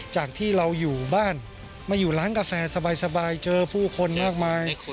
จากที่เราอยู่บ้านมาอยู่ร้านกาแฟสบายเจอผู้คนมากมาย